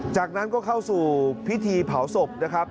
จากนั้นก็เข้าสู่พิธีเผาศพนะครับ